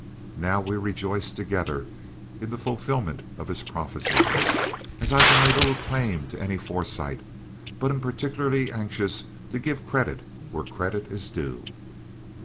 Now we rejoiced together in the fulfillment of his prophecy, as I can lay little claim to any foresight, but am particularly anxious to give credit where credit is due.